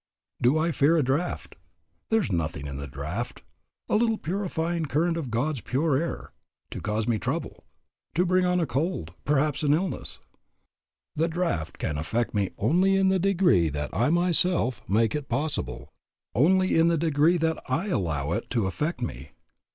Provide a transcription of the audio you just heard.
Do I fear a draft? There is nothing in the draft a little purifying current of God's pure air to cause me trouble, to bring on a cold, perhaps an illness. The draft can affect me only in the degree that I myself make it possible, only in the degree that I allow it to affect me.